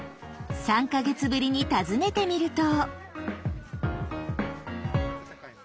３か月ぶりに訪ねてみると。